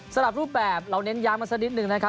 สำหรับรูปแบบเราเน้นย้ำกันสักนิดนึงนะครับ